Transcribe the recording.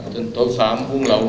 tình tội phạm buôn lẩu